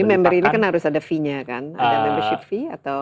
member ini kan harus ada fee nya kan ada membership fee atau